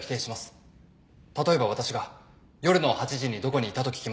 例えば私が「夜の８時にどこにいた？」と聞きます。